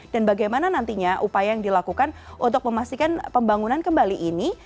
dan bagaimana nantinya upaya yang dilakukan untuk memastikan pembangunan kembali ini